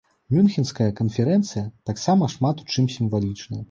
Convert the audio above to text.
Мюнхенская канферэнцыя таксама шмат у чым сімвалічная.